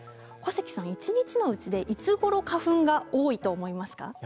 小関さん、一日のうちでいつごろが花粉が多いと思いますか？